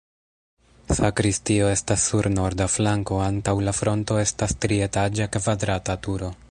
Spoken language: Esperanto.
Sakristio estas sur norda flanko, antaŭ la fronto estas trietaĝa kvadrata turo.